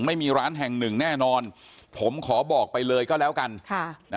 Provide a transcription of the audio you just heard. ไม่มีร้านแห่งหนึ่งแน่นอนผมขอบอกไปเลยก็แล้วกันค่ะนะ